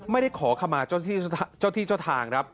ไม่ได้ขอขมาเจ้าที่เจ้าทางครับ